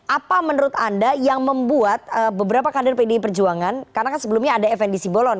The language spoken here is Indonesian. apa menurut anda yang membuat beberapa kader pdi perjuangan karena kan sebelumnya ada fnd simbolon